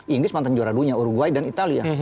inggris mantan juara dunia uruguay dan italia